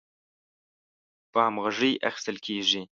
په همغږۍ اخیستل کیږي